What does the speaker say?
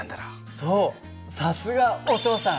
そうさすがお父さん！